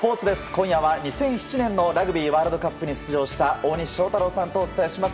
今夜は２００７年のラグビーワールドカップに出場した大西将太郎さんとお伝えします。